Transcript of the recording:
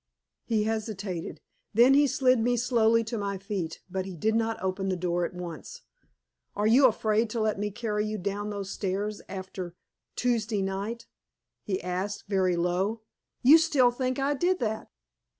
He hesitated. Then he slid me slowly to my feet, but he did not open the door at once. "Are you afraid to let me carry you down those stairs, after Tuesday night?" he asked, very low. "You still think I did that?"